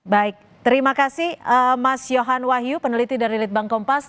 baik terima kasih mas yohan wahyu peneliti dari litbang kompas